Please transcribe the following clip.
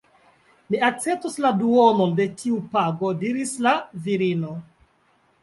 Mi akceptos la duonon de tiu pago diris la virino.